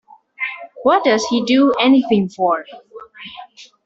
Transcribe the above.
What does he do anything for?